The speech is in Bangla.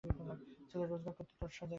ছেলে রোজগার করতে দোসরা জায়গায় থাকে।